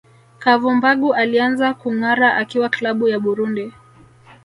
Kavumbagu alianza kungara akiwa klabu ya Burundi